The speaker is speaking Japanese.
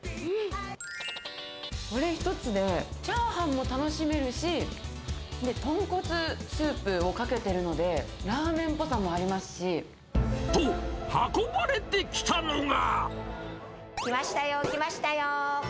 これ１つで、チャーハンも楽しめるし、とんこつスープをかけてるので、ラーメンっぽさもありますし。と、運ばれてきたのが。